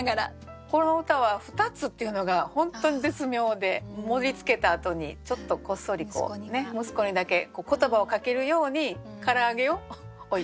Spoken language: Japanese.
この歌は「２つ」っていうのが本当に絶妙で盛りつけたあとにちょっとこっそり息子にだけ言葉をかけるように唐揚げを置いたっていう。